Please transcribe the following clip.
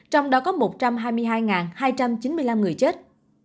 trong đó có một trăm hai mươi hai hai trăm chín mươi năm người chết